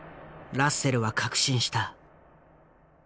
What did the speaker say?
ラッセルは確信した。